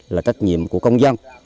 là trách nhiệm của công dân